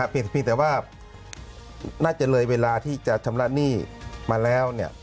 เพียงแต่ว่าน่าจะเลยเวลาที่จะชำระหนี้มาแล้ว